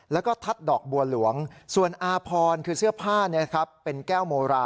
แล้วก็ทัดดอกบัวหลวงส่วนอาพรคือเสื้อผ้าเป็นแก้วโมรา